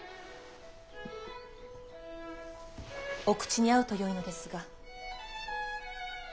お口に合うとよいのですが。